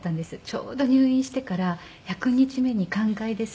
ちょうど入院してから１００日目に「寛解です」って。